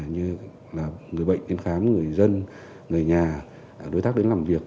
như là người bệnh đến khám người dân người nhà đối tác đến làm việc